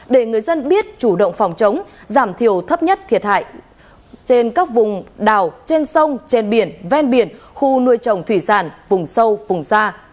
để người dân biết chủ động phòng chống giảm thiểu thấp nhất thiệt hại trên các vùng đảo trên sông trên biển ven biển khu nuôi trồng thủy sản vùng sâu vùng xa